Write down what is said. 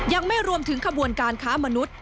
ยังไม่รวมถึงขบวนการค้ามนุษย์